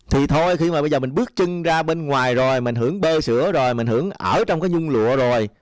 thì thôi khi mà bây giờ mình bước chân ra bên ngoài rồi mình hưởng bơ sữa rồi mình hưởng ở trong cái nhung lụa rồi